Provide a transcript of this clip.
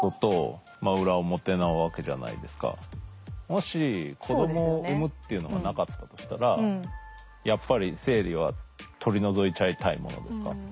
もし子どもを産むっていうのがなかったらやっぱり生理は取り除いちゃいたいものですか？